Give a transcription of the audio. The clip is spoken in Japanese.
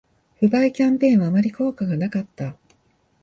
不買キャンペーンはあまり効果がなかった